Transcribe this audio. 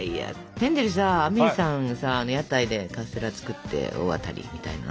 ヘンゼルさアメイさんのさあの屋台でカステラ作って大当たりみたいな。